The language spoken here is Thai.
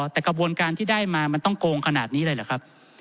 แต่กระบวนการที่ได้มามันต้องโกงขนาดนี้เลยเหรอครับ